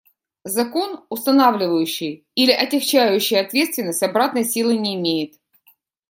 Закон, устанавливающий или отягчающий ответственность, обратной силы не имеет.